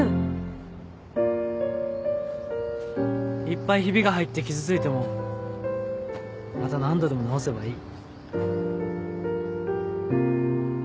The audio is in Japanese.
いっぱいひびが入って傷ついてもまた何度でも直せばいい。